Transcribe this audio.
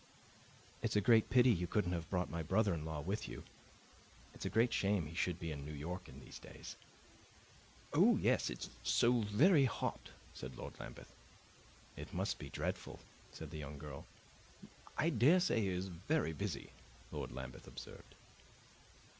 "It's a great pity you couldn't have brought my brother in law with you. It's a great shame he should be in New York in these days." "Oh, yes; it's so very hot," said Lord Lambeth. "It must be dreadful," said the young girl. "I daresay he is very busy," Lord Lambeth observed.